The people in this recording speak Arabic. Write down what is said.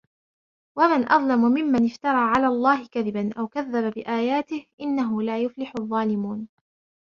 ومن أظلم ممن افترى على الله كذبا أو كذب بآياته إنه لا يفلح الظالمون